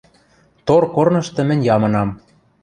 Тор корнышты мӹнь ямынам!..